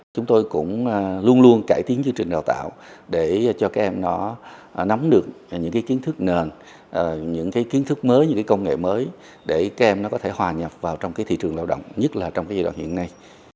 chúng tôi cũng luôn luôn cải tiến chương trình đào tạo để cho các em nó nắm được những kiến thức nền những kiến thức mới những công nghệ mới để các em nó có thể hòa nhập vào trong thị trường lao động nhất là trong giai đoạn hiện nay